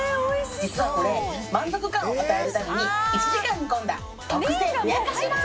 実はこれ満足感を与えるために１時間煮込んだ特製ふやかしラーメン